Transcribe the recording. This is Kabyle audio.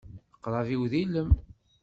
Aqrab-iw d ilem.